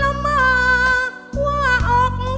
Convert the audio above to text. เมื่อยามนอนก็หมอนละมาว่าอกเธอนั้นเสียนอุ่น